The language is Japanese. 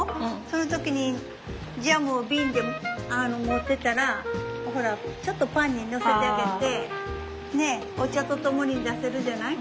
そういう時にジャムを瓶で持ってたらほらちょっとパンにのせてあげてお茶と共に出せるじゃない？